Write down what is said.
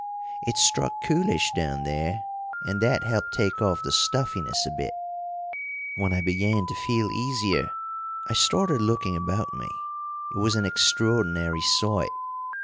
It struck coolish down there, and that helped take off the stuffiness a bit. "When I began to feel easier, I started looking about me. It was an extraordinary sight.